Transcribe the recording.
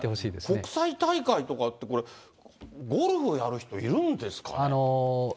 国際大会とかって、これ、ゴルフをやる人、いるんですかね。